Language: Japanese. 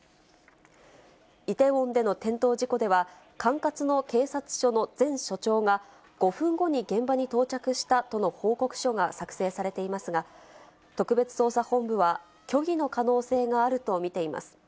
イテウォンでの転倒事故では、管轄の警察署の前署長が、５分後に現場に到着したとの報告書が作成されていますが、特別捜査本部は、虚偽の可能性があると見ています。